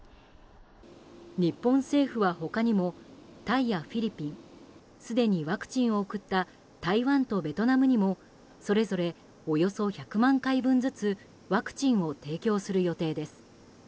日本政府は他にもタイやフィリピンすでにワクチンを送った台湾とベトナムにもそれぞれおよそ１００万回分ずつワクチンを提供する予定です。